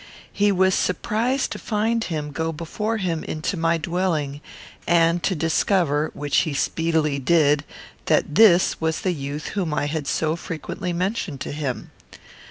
He was surprised to find him go before him into my dwelling, and to discover, which he speedily did, that this was the youth whom I had so frequently mentioned to him.